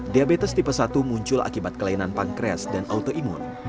diabetes tipe satu muncul akibat kelainan pankreas dan autoimun